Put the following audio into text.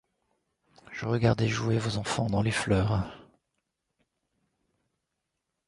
Je regardais jouer vos enfants dans les fleurs.